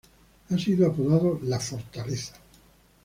Ha sido apodado la "Fortaleza".